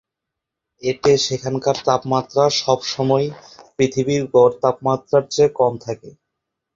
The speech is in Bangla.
এতে সেখানকার তাপমাত্রা সবসময়ই পৃথিবীর গড় তাপমাত্রার চেয়ে কম থাকে।